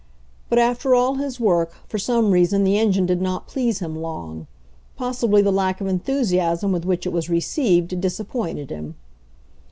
But after all his work, for some reason the engine did not please him long. Possibly the lack of enthusiasm with which it was received disappointed him.